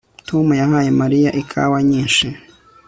Tom yahaye Mariya ikawa nyinshi